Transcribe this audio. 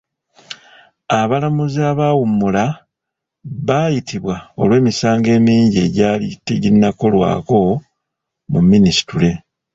Abalamuzi abaawummula baayitibwa olw'emisango emingi egyali teginnakolwako mu minisitule.